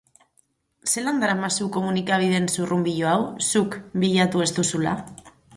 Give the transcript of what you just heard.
Zelan daramazu komunikabideen zurrunbilo hau, zuk, bilatu ez duzula?